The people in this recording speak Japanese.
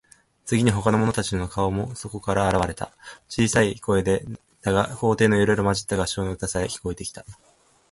次に、ほかの者たちの顔もそこから現われた。小さい声でだが、高低いろいろまじった合唱の歌さえ、聞こえてきた。